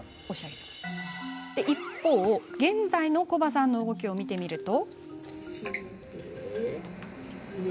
一方、現在のコバさんの動きを見てみると。